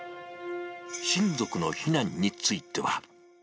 親族の避難については。